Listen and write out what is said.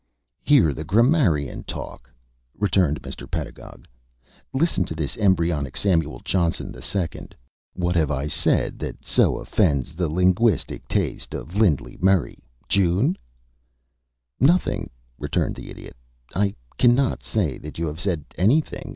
"Hear the grammarian talk!" returned Mr. Pedagog. "Listen to this embryonic Samuel Johnson the Second. What have I said that so offends the linguistic taste of Lindley Murray, Jun.?" "Nothing," returned the Idiot. "I cannot say that you have said anything.